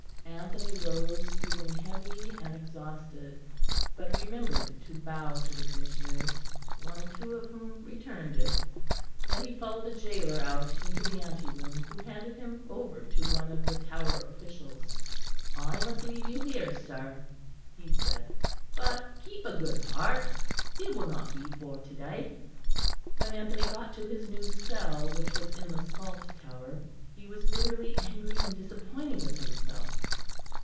Anthony rose feeling heavy and exhausted; but remembered to bow to the Commissioners, one or two of whom returned it. Then he followed the gaoler out into the ante room, who handed him over to one of the Tower officials. "I must leave you here, sir," he said; "but keep a good heart; it will not be for to day." When Anthony got to his new cell, which was in the Salt Tower, he was bitterly angry and disappointed with himself.